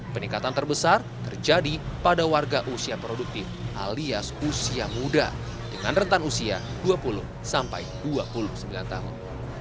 peningkatan terbesar terjadi pada warga usia produktif alias usia muda dengan rentan usia dua puluh sampai dua puluh sembilan tahun